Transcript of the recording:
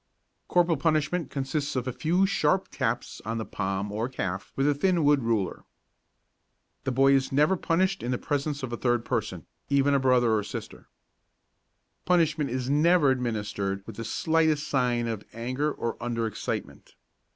Corporal punishment consists of a few sharp taps on the palm or calf with a thin wood ruler. The boy is never punished in the presence of a third person, even a brother or sister. Punishment is never administered with the slightest sign of anger or under excitement.